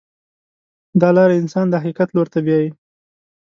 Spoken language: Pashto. دا لاره انسان د حقیقت لور ته بیایي.